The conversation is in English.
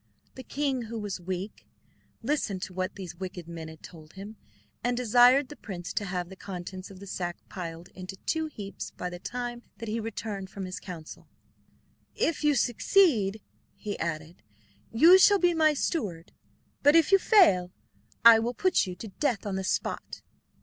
The king, who was weak, listened to what these wicked men had told him, and desired the prince to have the contents of the sack piled into two heaps by the time that he returned from his council. "If you succeed," he added, "you shall be my steward, but if you fail, I will put you to death on the spot."